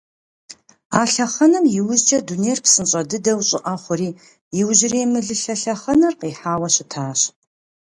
А лъэхъэнэм иужькӀэ дунейр псынщӀэ дыдэу щӀыӀэ хъури, иужьрей мылылъэ лъэхъэнэр къихьауэ щытащ.